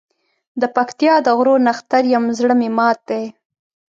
دپکتیا د غرو نښتر یم زړه مي مات دی